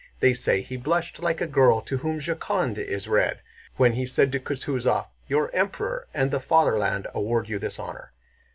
They say he blushed like a girl to whom Joconde is read, when he said to Kutúzov: 'Your Emperor and the Fatherland award you this honor.